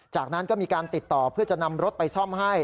จากนั้นก็มีการติดต่อเพื่อจะนำรถไปซ่อมให้